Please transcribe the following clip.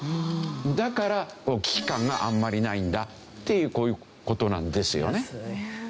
だから危機感があんまりないんだっていうこういう事なんですよね。